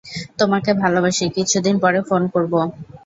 তোমাকে ভালবাসি, কিছুদিন পরে ফোন করব।